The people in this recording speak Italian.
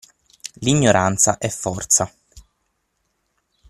L'ignoranza è forza.